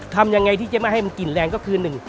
ทำยังไงที่จะไม่ให้มันกลิ่นแรงก็คือหนึ่ง